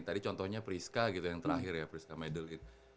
tadi contohnya priska gitu yang terakhir ya priska medel gitu